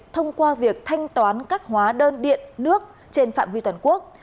thông qua việc thanh toán các hóa đơn điện nước trên phạm vi toàn quốc